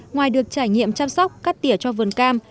ngoài được trải nghiệm chăm sóc cắt tỉa cho vườn cam